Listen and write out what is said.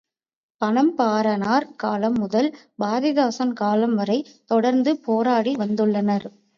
பனம்பாரனார் காலம் முதல் பாரதிதாசன் காலம் வரை தொடர்ந்து போராடி வந்துள்ளனர்.